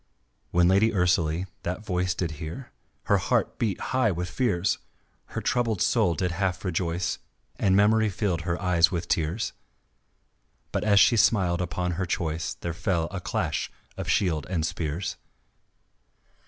When Lady Ursalie that voice Did hear, her heart beat high with fears, Her troubled soul did half rejoice And memory filled her eyes with tears; But as she smiled upon her choice There fell a clash of shields and spears.